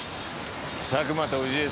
佐久間と氏家さん